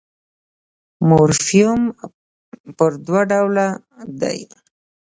مورفیم پر دوه ډوله دئ.